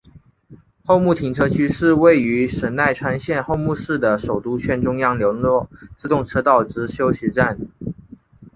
厚木停车区是位于神奈川县厚木市的首都圈中央连络自动车道之休息站。